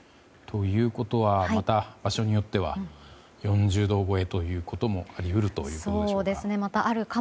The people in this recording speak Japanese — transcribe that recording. ということはまた場所によっては４０度超えということもあり得るということでしょうか。